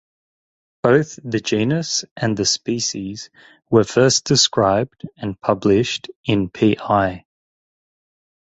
Both the genus and the species were first described and published in Pl.